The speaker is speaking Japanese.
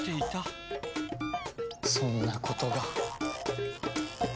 そんなことが。